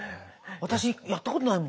私やったことないもん。